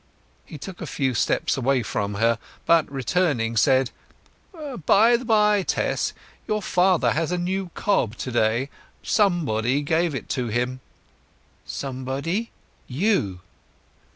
He took a few steps away from her, but, returning, said, "By the bye, Tess, your father has a new cob to day. Somebody gave it to him." "Somebody? You!"